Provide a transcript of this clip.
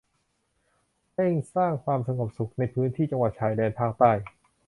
เร่งสร้างความสงบสุขในพื้นที่จังหวัดชายแดนภาคใต้